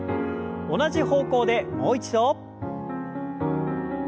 同じ方向でもう一度。